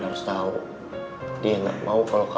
harus tahu dia enggak mau kalau kalau